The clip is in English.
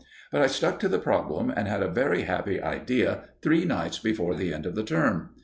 But I stuck to the problem, and had a very happy idea three nights before the end of the term.